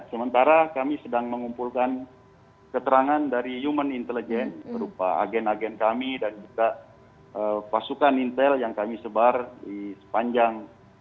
sementara kami sedang mengumpulkan keterangan dari human intelligence berupa agen agen kami dan juga pasukan intel yang kami sebar di sepanjang